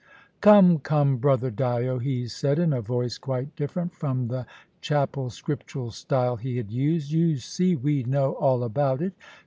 "Come, come, brother Dyo," he said, in a voice quite different from the Chapel Scriptural style he had used; "you see, we know all about it.